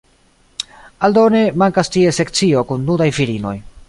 Aldone, mankas tie sekcio kun nudaj virinoj.